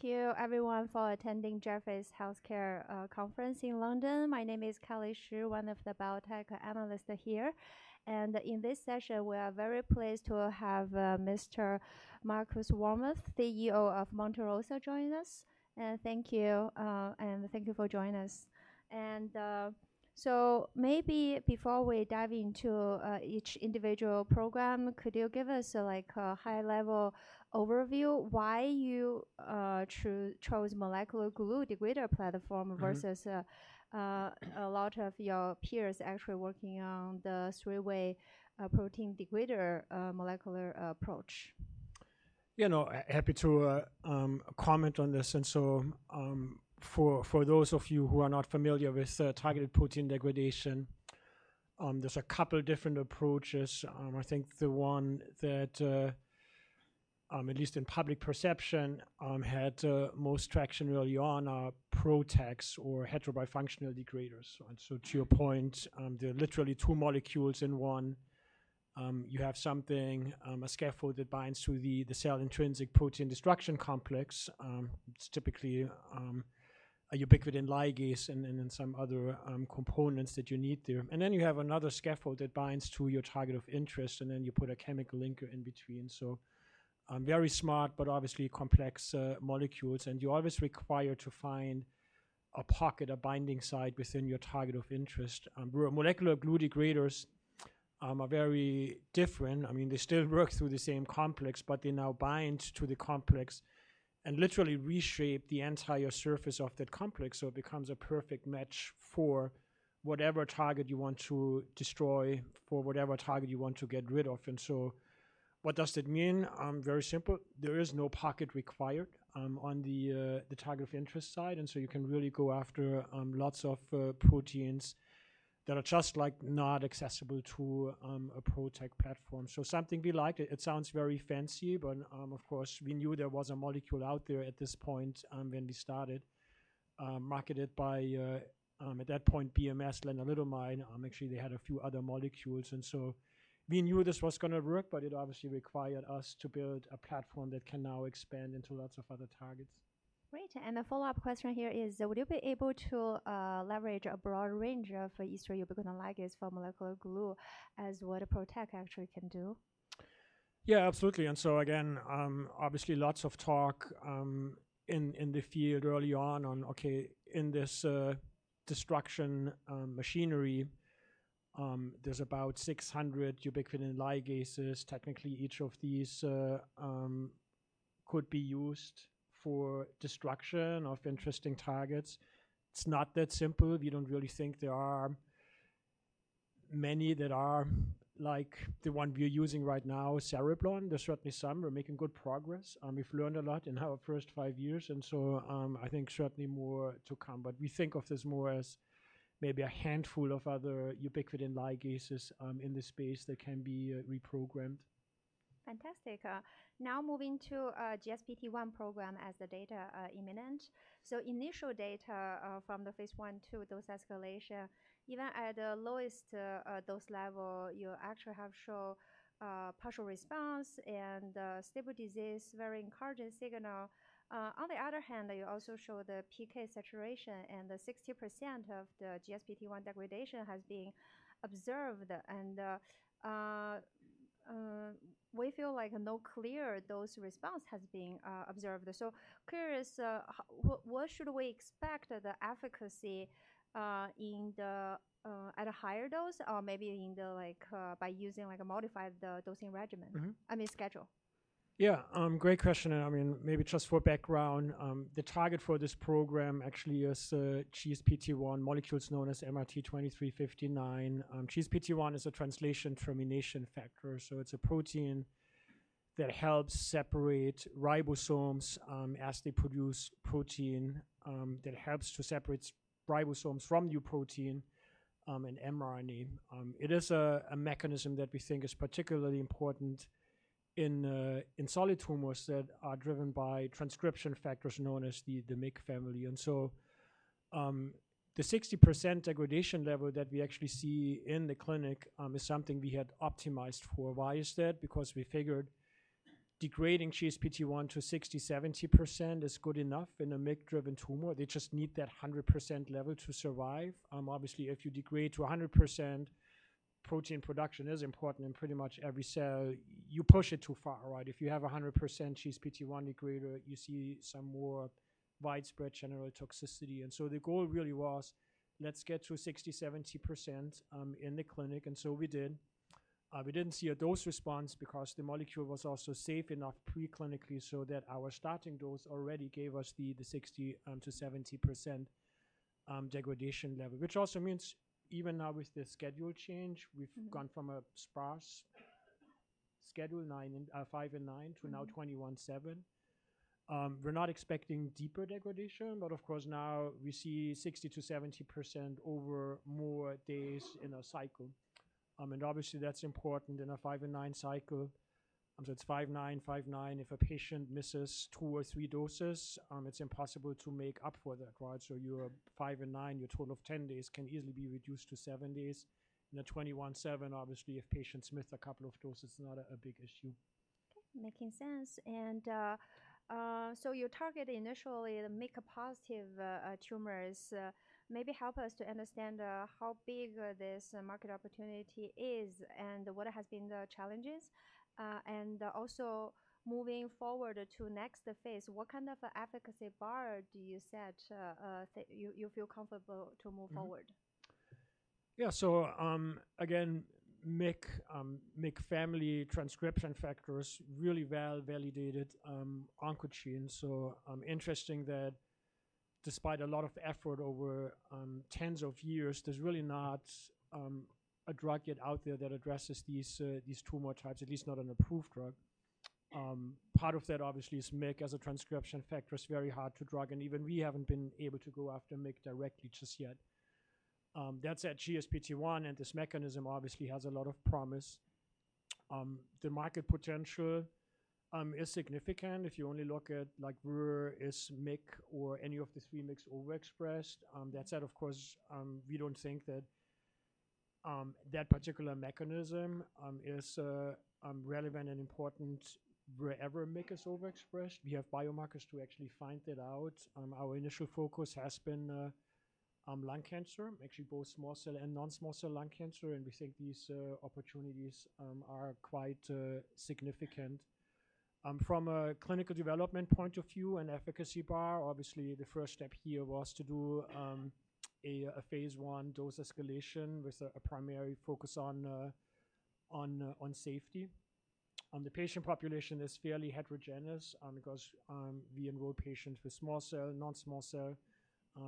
Thank you, everyone, for attending Jefferies Healthcare Conference in London. My name is Kelly Shi, one of the biotech analysts here. In this session, we are very pleased to have Mr. Markus Warmuth, CEO of Monte Rosa, join us. Thank you, and thank you for joining us. Maybe before we dive into each individual program, could you give us a high-level overview of why you chose molecular glue degrader platform versus a lot of your peers actually working on the three-way protein degrader molecular approach? Yeah, no, happy to comment on this. And so for those of you who are not familiar with targeted protein degradation, there's a couple of different approaches. I think the one that, at least in public perception, had most traction early on are PROTACs or heterobifunctional degraders. And so to your point, there are literally two molecules in one. You have something, a scaffold that binds to the cell intrinsic protein destruction complex. It's typically a ubiquitin ligase and then some other components that you need there. And then you have another scaffold that binds to your target of interest, and then you put a chemical linker in between. So very smart, but obviously complex molecules. And you're always required to find a pocket, a binding site within your target of interest. Molecular glue degraders are very different. I mean, they still work through the same complex, but they now bind to the complex and literally reshape the entire surface of that complex. So it becomes a perfect match for whatever target you want to destroy, for whatever target you want to get rid of. And so what does that mean? Very simple. There is no pocket required on the target of interest side. And so you can really go after lots of proteins that are just like not accessible to a PROTAC platform. So something we liked, it sounds very fancy, but of course, we knew there was a molecule out there at this point when we started, marketed by at that point, BMS, lenalidomide. Actually, they had a few other molecules. We knew this was going to work, but it obviously required us to build a platform that can now expand into lots of other targets. Great. And a follow-up question here is, would you be able to leverage a broad range of E3 ubiquitin ligase for molecular glue as what a PROTAC actually can do? Yeah, absolutely. And so again, obviously lots of talk in the field early on, okay, in this destruction machinery, there's about 600 ubiquitin ligases. Technically, each of these could be used for destruction of interesting targets. It's not that simple. We don't really think there are many that are like the one we're using right now, Cereblon. There's certainly some. We're making good progress. We've learned a lot in our first five years. And so I think certainly more to come. But we think of this more as maybe a handful of other ubiquitin ligases in this space that can be reprogrammed. Fantastic. Now moving to GSPT1 program as the data imminent. So initial data from the phase 1 dose escalation, even at the lowest dose level, you actually have shown partial response and stable disease, very encouraging signal. On the other hand, you also show the PK saturation and 60% of the GSPT1 degradation has been observed. And we feel like no clear dose response has been observed. So curious, what should we expect the efficacy in the at a higher dose or maybe in the by using like a modified dosing regimen? I mean, schedule. Yeah, great question. I mean, maybe just for background, the target for this program actually is GSPT1, the molecule known as MRT-2359. GSPT1 is a translation termination factor. So it's a protein that helps separate ribosomes as they produce protein that helps to separate ribosomes from new protein and mRNA. It is a mechanism that we think is particularly important in solid tumors that are driven by transcription factors known as the MYC family. And so the 60% degradation level that we actually see in the clinic is something we had optimized for. Why is that? Because we figured degrading GSPT1 to 60%-70% is good enough in a MYC-driven tumor. They just need that 100% level to survive. Obviously, if you degrade to 100%, protein production is important in pretty much every cell. You push it too far, right? If you have 100% GSPT1 degrader, you see some more widespread general toxicity, and so the goal really was, let's get to 60%-70% in the clinic, and so we did. We didn't see a dose response because the molecule was also safe enough preclinically so that our starting dose already gave us the 60%-70% degradation level, which also means even now with the schedule change, we've gone from a sparse schedule five and nine to now 21, seven. We're not expecting deeper degradation, but of course now we see 60%-70% over more days in a cycle, and obviously that's important in a five and nine cycle, so it's five, nine, five, nine. If a patient misses two or three doses, it's impossible to make up for that, right, so your five and nine, your total of ten days can easily be reduced to seven days. At 21/7, obviously if patients miss a couple of doses, it's not a big issue. Making sense. And so your target initially, the MYC positive tumors, maybe help us to understand how big this market opportunity is and what has been the challenges. And also moving forward to next phase, what kind of efficacy bar do you set? You feel comfortable to move forward? Yeah, so again, MYC family transcription factors really well validated oncogene. So interesting that despite a lot of effort over tens of years, there's really not a drug yet out there that addresses these tumor types, at least not an approved drug. Part of that obviously is MYC as a transcription factor is very hard to drug. And even we haven't been able to go after MYC directly just yet. That's at GSPT1 and this mechanism obviously has a lot of promise. The market potential is significant. If you only look at, like, where is MYC or any of the three MYCs overexpressed. That said, of course, we don't think that that particular mechanism is relevant and important wherever MYC is overexpressed. We have biomarkers to actually find that out. Our initial focus has been lung cancer, actually both small cell and non-small cell lung cancer. We think these opportunities are quite significant. From a clinical development point of view and efficacy bar, obviously the first step here was to do a phase one dose escalation with a primary focus on safety. The patient population is fairly heterogeneous because we enroll patients with small cell, non-small cell.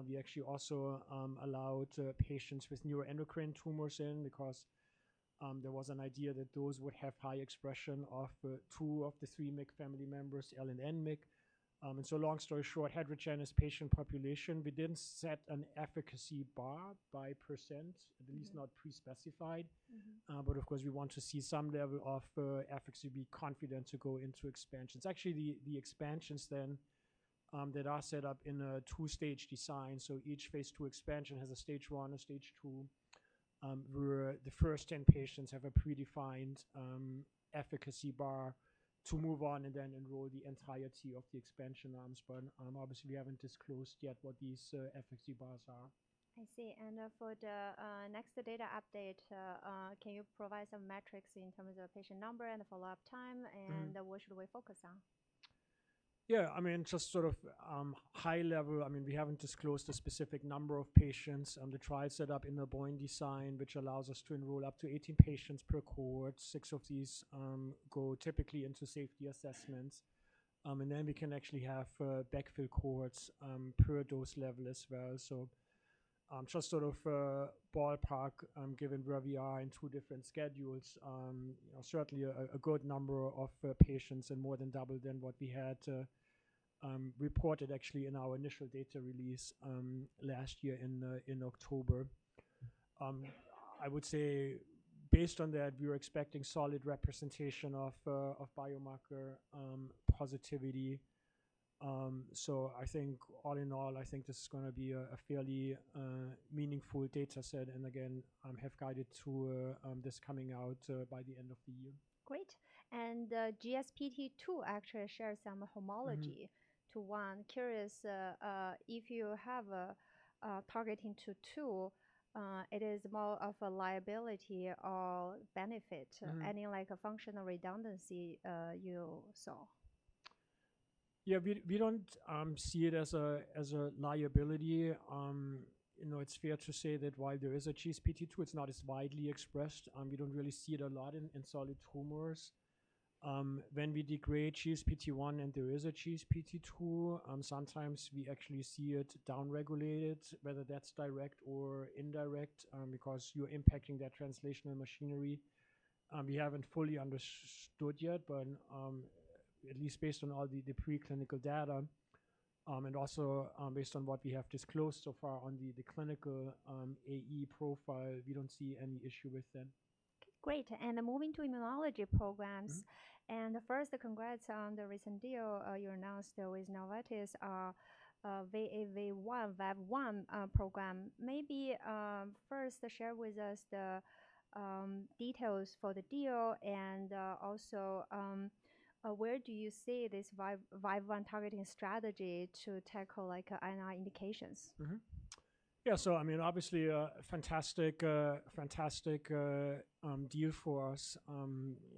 We actually also allowed patients with neuroendocrine tumors in because there was an idea that those would have high expression of two of the three MYC family members, L-MYC and N-MYC. So long story short, heterogeneous patient population, we didn't set an efficacy bar by percent, at least not pre-specified. But of course, we want to see some level of efficacy to be confident to go into expansions. Actually, the expansions then that are set up in a two-stage design. Each phase two expansion has a stage one and stage two, where the first 10 patients have a predefined efficacy bar to move on and then enroll the entirety of the expansion arms. But obviously, we haven't disclosed yet what these efficacy bars are. I see. And for the next data update, can you provide some metrics in terms of patient number and the follow-up time and what should we focus on? Yeah, I mean, just sort of high level. I mean, we haven't disclosed the specific number of patients on the trial setup in the basket design, which allows us to enroll up to 18 patients per cohort. Six of these go typically into safety assessments. And then we can actually have backfill cohorts per dose level as well. So just sort of ballpark, given where we are in two different schedules, certainly a good number of patients and more than double than what we had reported actually in our initial data release last year in October. I would say based on that, we were expecting solid representation of biomarker positivity. So I think all in all, I think this is going to be a fairly meaningful data set. And again, I have guided to this coming out by the end of the year. Great. And GSPT2 actually shares some homology to one. Curious if you have targeting to two, it is more of a liability or benefit, any like a functional redundancy you saw? Yeah, we don't see it as a liability. It's fair to say that while there is a GSPT-2, it's not as widely expressed. We don't really see it a lot in solid tumors. When we degrade GSPT-1 and there is a GSPT-2, sometimes we actually see it downregulated, whether that's direct or indirect, because you're impacting that translational machinery. We haven't fully understood yet, but at least based on all the preclinical data and also based on what we have disclosed so far on the clinical AE profile, we don't see any issue with that. Great. Moving to immunology programs. First, congrats on the recent deal you announced with Novartis, VAV1, VAV1 program. Maybe first share with us the details for the deal and also where do you see this VAV1 targeting strategy to tackle I&I indications? Yeah, so I mean, obviously a fantastic deal for us.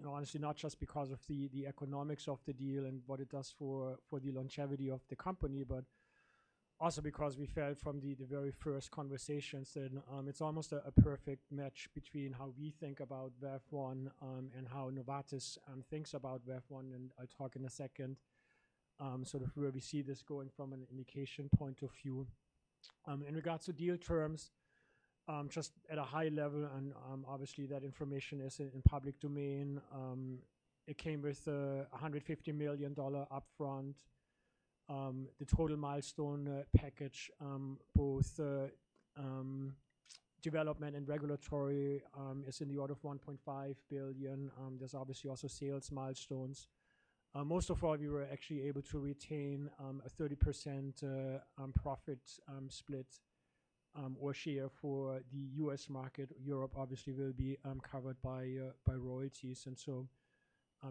Honestly, not just because of the economics of the deal and what it does for the longevity of the company, but also because we felt from the very first conversations that it's almost a perfect match between how we think about VAV1 and how Novartis thinks about VAV1. And I'll talk in a second sort of where we see this going from an indication point of view. In regards to deal terms, just at a high level, and obviously that information is in public domain. It came with $150 million upfront. The total milestone package, both development and regulatory, is in the order of $1.5 billion. There's obviously also sales milestones. Most of all, we were actually able to retain a 30% profit split or share for the U.S. market. Europe obviously will be covered by royalties. And so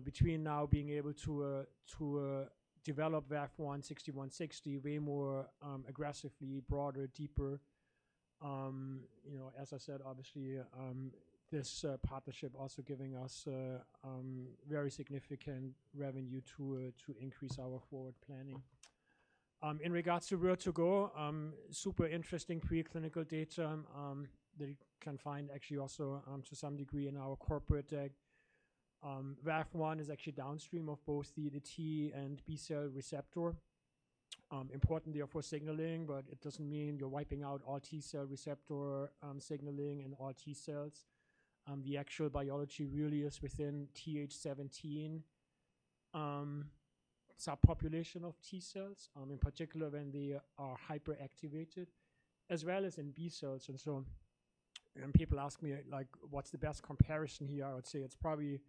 between now being able to develop VAV1, MRT-6160, MRT-8102 way more aggressively, broader, deeper. As I said, obviously this partnership also giving us very significant revenue to increase our forward planning. In regards to where to go, super interesting preclinical data that you can find actually also to some degree in our corporate deck. VAV1 is actually downstream of both the T and B cell receptor. Importantly for signaling, but it doesn't mean you're wiping out all T cell receptor signaling and all T cells. The actual biology really is within Th17 subpopulation of T cells, in particular when they are hyperactivated, as well as in B cells. And so when people ask me like what's the best comparison here, I would say it's probably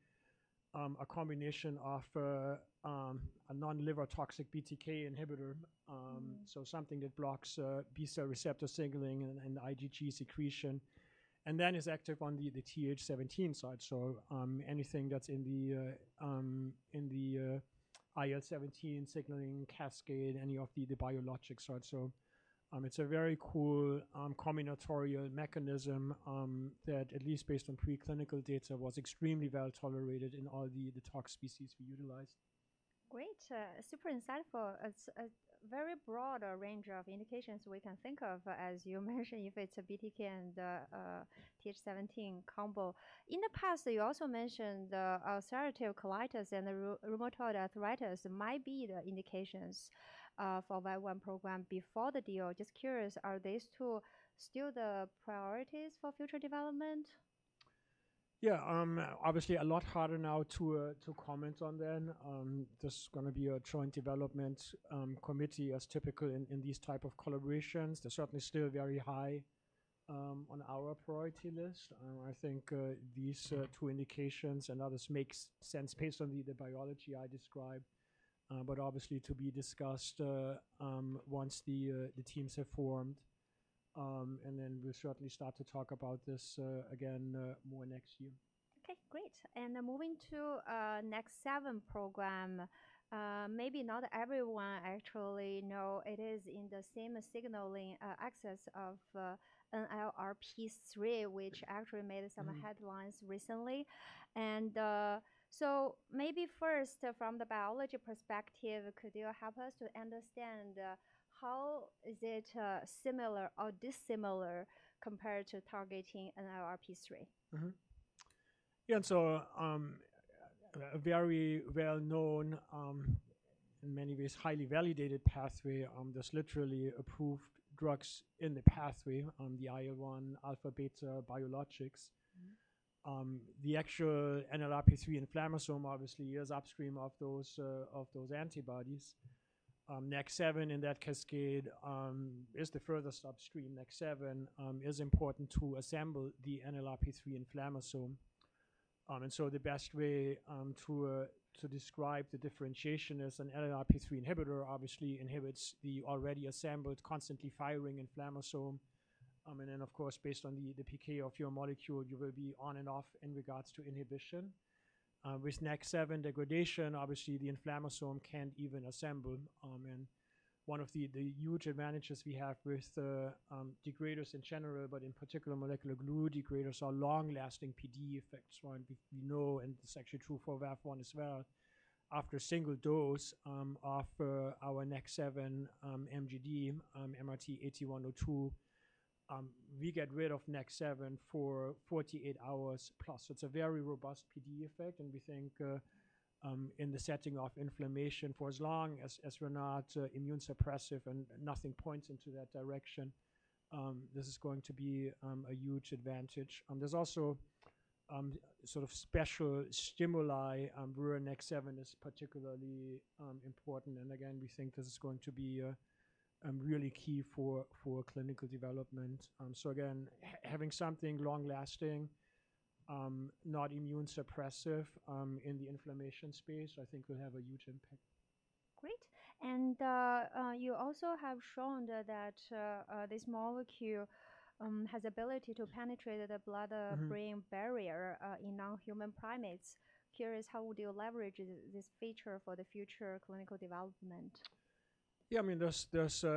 a combination of a non-liver toxic BTK inhibitor. So something that blocks B cell receptor signaling and IgG secretion and then is active on the Th17 side. So anything that's in the IL-17 signaling cascade, any of the biologic side. So it's a very cool combinatorial mechanism that at least based on preclinical data was extremely well tolerated in all the tox species we utilized. Great. Super insightful. It's a very broad range of indications we can think of, as you mentioned, if it's a BTK and Th17 combo. In the past, you also mentioned ulcerative colitis and rheumatoid arthritis might be the indications for VAV1 program before the deal. Just curious, are these two still the priorities for future development? Yeah, obviously a lot harder now to comment on them. There's going to be a joint development committee as typical in these types of collaborations. They're certainly still very high on our priority list. I think these two indications and others make sense based on the biology I described, but obviously to be discussed once the teams have formed, and then we'll certainly start to talk about this again more next year. Okay, great. And moving to NEK7 program, maybe not everyone actually knows it is in the same signaling axis of NLRP3, which actually made some headlines recently. And so maybe first from the biology perspective, could you help us to understand how is it similar or dissimilar compared to targeting NLRP3? Yeah, so a very well-known and in many ways highly validated pathway. There's literally approved drugs in the pathway on the IL-1 alpha/beta biologics. The actual NLRP3 inflammasome obviously is upstream of those antibodies. NEK7 in that cascade is the furthest upstream. NEK7 is important to assemble the NLRP3 inflammasome. And so the best way to describe the differentiation is an NLRP3 inhibitor obviously inhibits the already assembled constantly firing inflammasome. And then of course, based on the PK of your molecule, you will be on and off in regards to inhibition. With NEK7 degradation, obviously the inflammasome can't even assemble. And one of the huge advantages we have with degraders in general, but in particular molecular glue degraders, are long-lasting PD effects. We know and it's actually true for VAV1 as well. After a single dose of our NEK7 MGD, MRT-8102, we get rid of NEK7 for 48 hours plus. So it's a very robust PD effect. And we think in the setting of inflammation for as long as we're not immune suppressive and nothing points into that direction, this is going to be a huge advantage. There's also sort of special stimuli where NEK7 is particularly important. And again, we think this is going to be really key for clinical development. So again, having something long-lasting, not immune suppressive in the inflammation space, I think will have a huge impact. Great. And you also have shown that this molecule has the ability to penetrate the blood-brain barrier in non-human primates. Curious, how would you leverage this feature for the future clinical development? Yeah, I mean, there's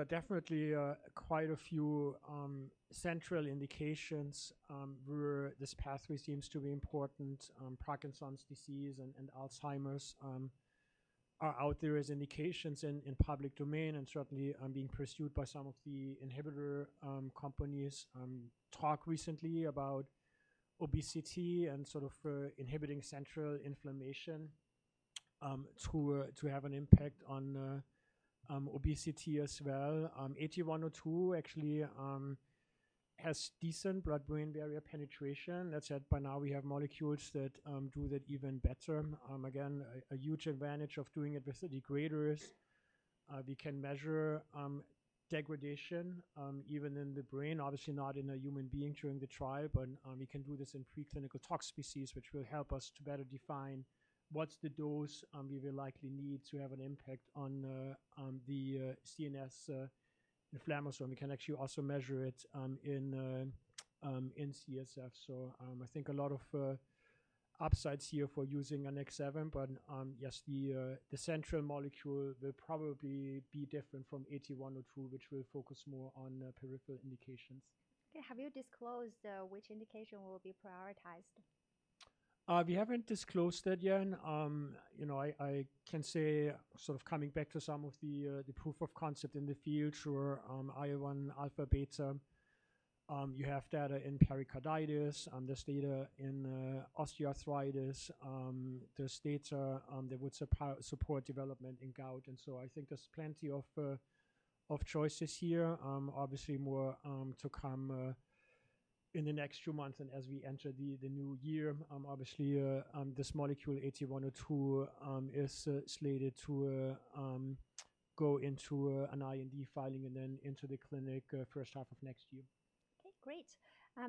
definitely quite a few central indications where this pathway seems to be important. Parkinson's disease and Alzheimer's are out there as indications in public domain and certainly being pursued by some of the inhibitor companies. Talk recently about obesity and sort of inhibiting central inflammation to have an impact on obesity as well. 8102 actually has decent blood-brain barrier penetration. That said, by now we have molecules that do that even better. Again, a huge advantage of doing it with the degraders. We can measure degradation even in the brain, obviously not in a human being during the trial, but we can do this in preclinical tox species, which will help us to better define what's the dose we will likely need to have an impact on the CNS inflammasome. We can actually also measure it in CSF. So I think a lot of upsides here for using NEK7, but yes, the central molecule will probably be different from MRT-8102, which will focus more on peripheral indications. Okay. Have you disclosed which indication will be prioritized? We haven't disclosed that yet. I can say sort of coming back to some of the proof of concept in the field for IL-1 alpha/beta, you have data in pericarditis. There's data in osteoarthritis. There's data that would support development in gout. And so I think there's plenty of choices here, obviously more to come in the next few months and as we enter the new year. Obviously, this molecule MRT-8102 is slated to go into an IND filing and then into the clinic first half of next year. Okay, great.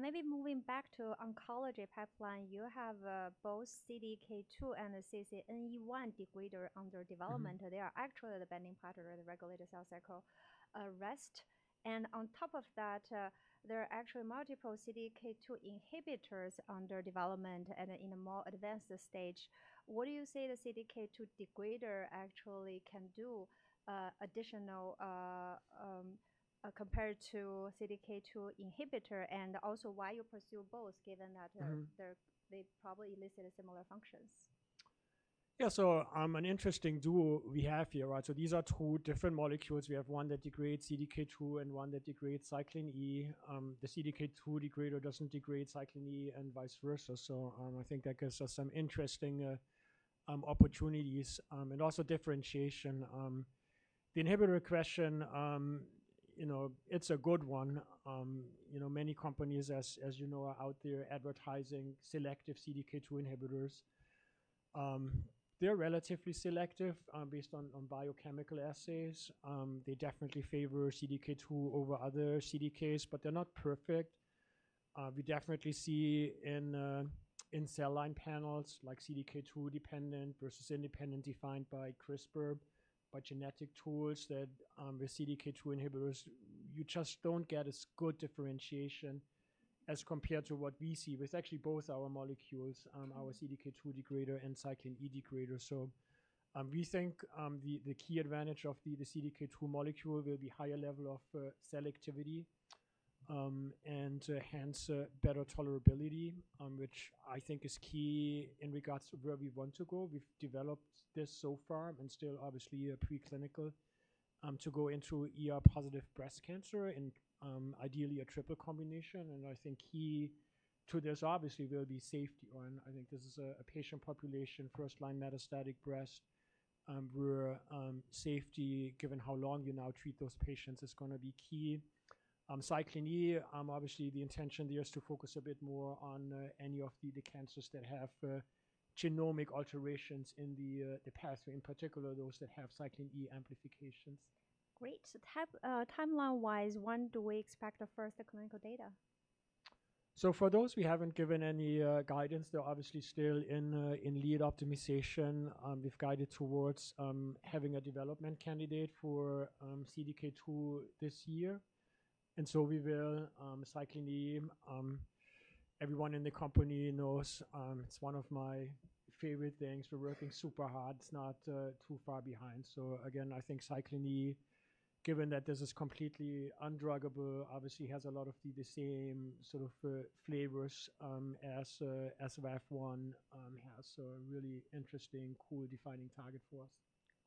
Maybe moving back to oncology pipeline, you have both CDK2 and CCNE1 degrader under development. They are actually the binding partner and the regulatory cell cycle arrest. And on top of that, there are actually multiple CDK2 inhibitors under development and in a more advanced stage. What would you say the CDK2 degrader actually can do additionally compared to CDK2 inhibitor and also why you pursue both given that they probably elicit similar functions? Yeah, so an interesting duo we have here, right? So these are two different molecules. We have one that degrades CDK2 and one that degrades cyclin E. The CDK2 degrader doesn't degrade cyclin E and vice versa. So I think that gives us some interesting opportunities and also differentiation. The inhibitor question, it's a good one. Many companies, as you know, are out there advertising selective CDK2 inhibitors. They're relatively selective based on biochemical assays. They definitely favor CDK2 over other CDKs, but they're not perfect. We definitely see in cell line panels like CDK2 dependent versus independent defined by CRISPR, but genetic tools that with CDK2 inhibitors, you just don't get as good differentiation as compared to what we see with actually both our molecules, our CDK2 degrader and cyclin E degrader. So we think the key advantage of the CDK2 molecule will be higher level of selectivity and hence better tolerability, which I think is key in regards to where we want to go. We've developed this so far and still obviously preclinical to go into positive breast cancer and ideally a triple combination. And I think key to this obviously will be safety. I think this is a patient population, first line metastatic breast where safety, given how long you now treat those patients, is going to be key. cyclin E, obviously the intention there is to focus a bit more on any of the cancers that have genomic alterations in the pathway, in particular those that have cyclin E amplifications. Great. Timeline wise, when do we expect the first clinical data? So, for those, we haven't given any guidance. They're obviously still in lead optimization. We've guided towards having a development candidate for CDK2 this year. And so we will cyclin E, everyone in the company knows it's one of my favorite things. We're working super hard. It's not too far behind. So again, I think cyclin E, given that this is completely undruggable, obviously has a lot of the same sort of flavors as VAV1 has. So a really interesting, cool defining target for us.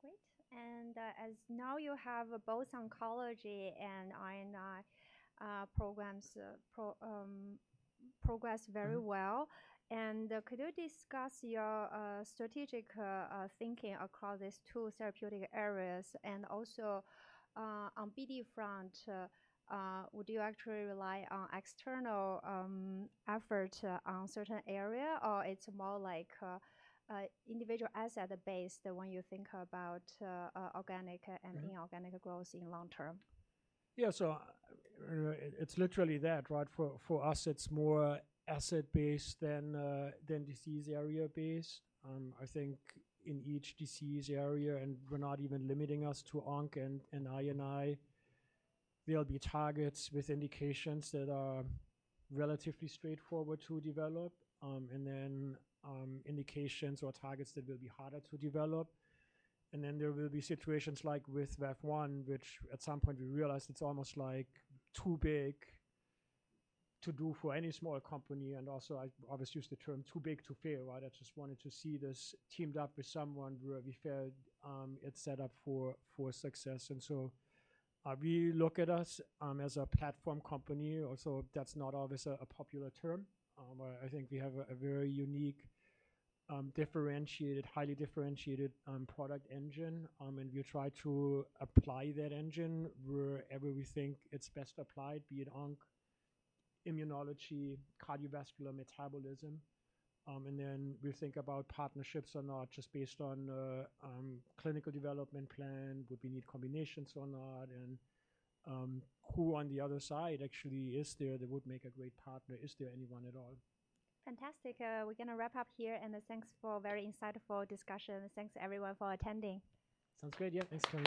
Great. And as now you have both oncology and I&I programs progress very well, and could you discuss your strategic thinking across these two therapeutic areas? And also on BD front, would you actually rely on external effort on certain areas or it's more like individual asset-based when you think about organic and inorganic growth in long term? Yeah, so it's literally that, right? For us, it's more asset based than disease area based. I think in each disease area, and we're not even limiting us to ONC and I&I, there'll be targets with indications that are relatively straightforward to develop and then indications or targets that will be harder to develop. And then there will be situations like with VAV1, which at some point we realized it's almost like too big to do for any small company. And also I obviously use the term too big to fail, right? I just wanted to see this teamed up with someone where we felt it's set up for success. And so we look at us as a platform company. Also, that's not always a popular term, but I think we have a very unique, differentiated, highly differentiated product engine. We try to apply that engine wherever we think it's best applied, be it ONC, immunology, cardiovascular metabolism. Then we think about partnerships or not just based on clinical development plan. Would we need combinations or not? Who on the other side actually is there that would make a great partner? Is there anyone at all? Fantastic. We're going to wrap up here and thanks for a very insightful discussion. Thanks everyone for attending. Sounds great. Yeah, thanks for.